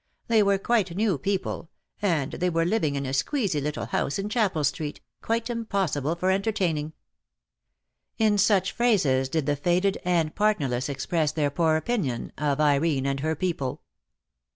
They were quite new people, and they were living in a squeezy little house in Chapel Street, quite impossible for enter taining." In such phrases did the faded and the partner DEAD LOVE HAS CHAINS. 255 less express their poor opinion of Irene and her people.